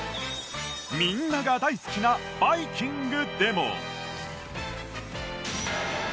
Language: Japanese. みんなが大好きなバイキングでも